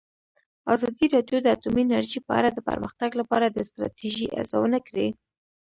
ازادي راډیو د اټومي انرژي په اړه د پرمختګ لپاره د ستراتیژۍ ارزونه کړې.